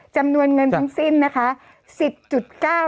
จำนวนเงินทั้งสิ้นนะคะ